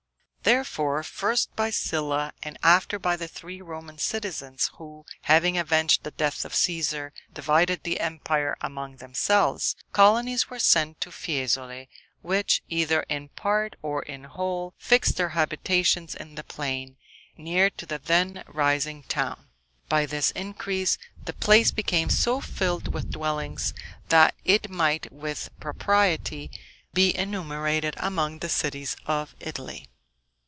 Therefore, first by Sylla, and afterward by the three Roman citizens, who, having avenged the death of Cæsar, divided the empire among themselves, colonies were sent to Fiesole, which, either in part or in whole, fixed their habitations in the plain, near to the then rising town. By this increase, the place became so filled with dwellings, that it might with propriety be enumerated among the cities of Italy.